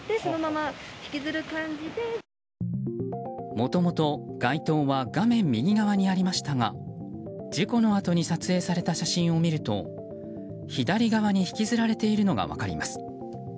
もともと街灯は画面右側にありましたが事故のあとに撮影された写真を見ると左側に引きずられているのが分かります。